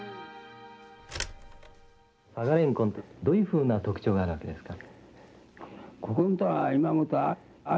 佐賀れんこんってどういうふうな特徴があるわけですか？